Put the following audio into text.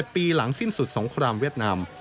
ปีหลังสิ้นสุดสงครามเวียดนาม